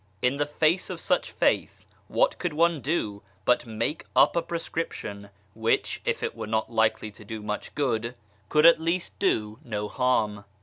In the face of such faith what could one do but make up a prescription which, if it were not likely to do much good, could at least do no harm